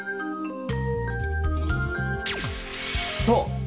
そう！